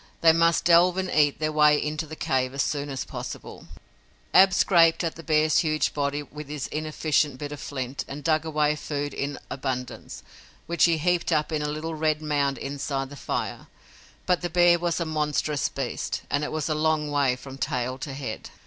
They must delve and eat their way into the cave as soon as possible. Ab scraped at the bear's huge body with his inefficient bit of flint and dug away food in abundance, which he heaped up in a little red mound inside the fire, but the bear was a monstrous beast and it was a long way from tail to head.